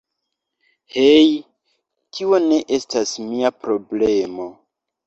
Hej, tio ne estas mia problemo